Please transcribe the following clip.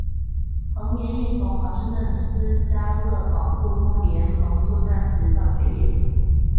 同年亦从华盛顿州基斯勒堡陆空联合作战学校结业。